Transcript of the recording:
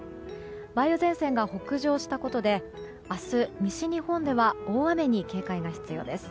梅雨前線が北上したことで明日、西日本では大雨に警戒が必要です。